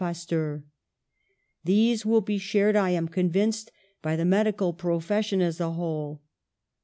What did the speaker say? Pasteur. These will be HYDROPHOBIA 173 shared, I am convinced, by the medical profes sion as a whole.